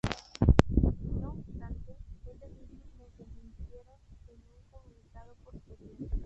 No obstante, ellos mismos lo desmintieron en un comunicado posterior.